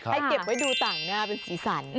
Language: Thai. เก็บไว้ดูต่างหน้าเป็นสีสัน